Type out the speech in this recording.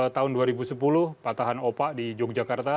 tahun dua ribu sepuluh patahan opa di yogyakarta